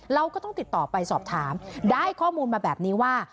เราก็ต้องติดต่อไปสอบถามได้ข้อมูลมาแบบนี้ว่า